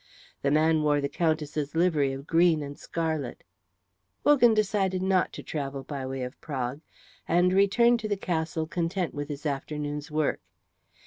The man wore the Countess's livery of green and scarlet; Wogan decided not to travel by way of Prague, and returned to the castle content with his afternoon's work.